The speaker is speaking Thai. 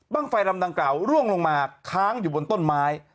ไฟลำดังกล่าวร่วงลงมาค้างอยู่บนต้นไม้